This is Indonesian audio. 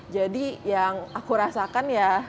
jadi yang aku rasakan ya